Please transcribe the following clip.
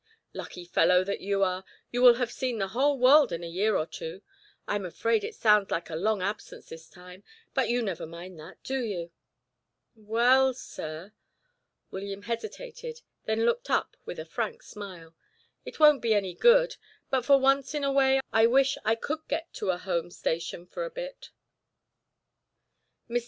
"Lucky fellow that you are; you will have seen the whole world in a year or two. I'm afraid it sounds like a long absence this time, but you never mind that, do you?" "Well, sir " William hesitated, then looked up with a frank smile "it won't be any good, but for once in a way I wish I could get to a home station for a bit." Mr.